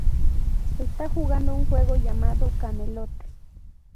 Está jugando un juego llamado Camelot.